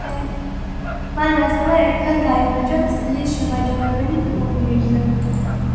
მან ასევე ერთხელ გაიმარჯვა წლის შემაჯამებელი ტურნირზე.